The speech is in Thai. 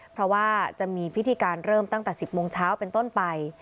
เพราะว่าจะมีพิธีการเริ่มตั้งแต่๑๐โมงเช้าเป็นต้นไป